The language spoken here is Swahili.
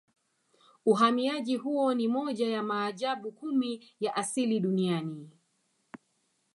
Uhamiaji huo ni moja ya maajabu kumi ya asili Duniani